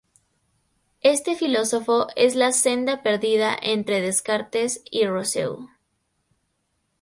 Este filósofo es la senda perdida entre Descartes y Rousseau.